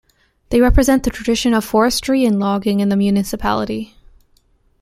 They represent the tradition of forestry and logging in the municipality.